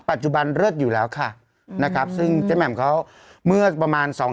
ปัจจุบันเลิศอยู่แล้วค่ะนะครับซึ่งเจ๊แหม่มเขาเมื่อประมาณสอง